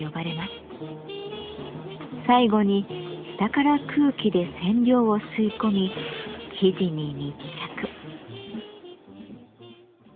最後に下から空気で染料を吸い込み生地に密着。